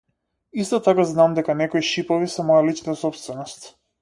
Исто така знам дека некои шипови се моја лична сопственост.